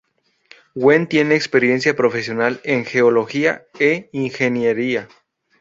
Wen tiene experiencia profesional en geología e ingeniería.